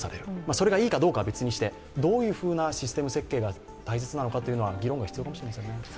それが良いかどうかは別にしてどういうシステム設計が必要なのかというのは議論が必要かもしれないですね。